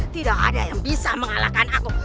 tidak ada yang bisa mengalahkan aku